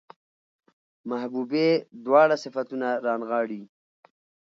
محبوبې دواړه صفتونه رانغاړي